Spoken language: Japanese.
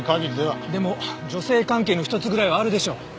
でも女性関係の一つぐらいはあるでしょう？